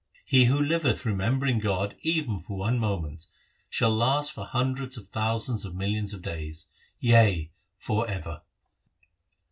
He who liveth remembering God even for one moment, Shall last for hundreds of thousands and millions of days, yea, for ever.